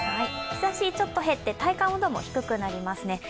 日ざし、ちょっと減って体感温度も低くなりますね。